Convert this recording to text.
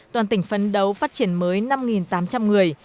toàn tỉnh phấn đấu phát triển mới năm tám trăm linh người